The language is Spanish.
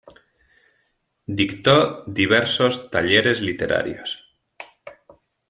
Dictó diversos talleres literarios.